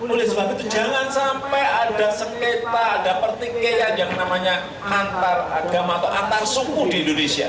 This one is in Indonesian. oleh sebab itu jangan sampai ada sengketa ada pertikaian yang namanya antar agama atau antar suku di indonesia